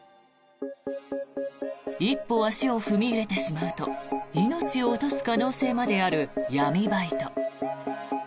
一歩足を踏み入れてしまうと命を落とす可能性まである闇バイト。